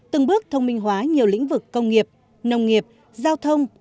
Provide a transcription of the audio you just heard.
từng bước thông minh hóa nhiều lĩnh vực công nghiệp nông nghiệp giao thông